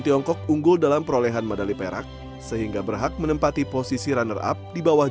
tiongkok unggul dalam perolehan medali perak sehingga berhak menempati posisi runner up di bawah